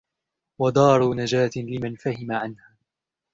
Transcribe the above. وَدَارُ نَجَاةٍ لِمَنْ فَهِمَ عَنْهَا